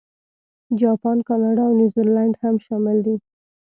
جاپان، کاناډا، او نیوزیلانډ هم شامل دي.